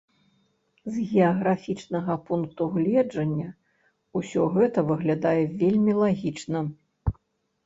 З геаграфічнага пункту гледжання ўсё гэта выглядае вельмі лагічна.